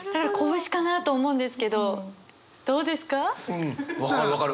うん分かる分かる。